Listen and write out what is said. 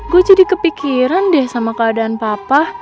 gue jadi kepikiran deh sama keadaan papa